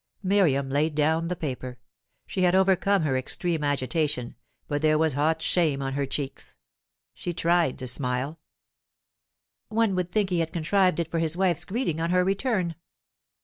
Miriam laid down the paper. She had overcome her extreme agitation, but there was hot shame on her cheeks. She tried to smile. "One would think he had contrived it for his wife's greeting on her return."